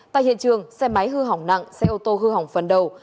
tại hiện trường xe máy hư hỏng nặng xe ô tô hư hỏng phần đầu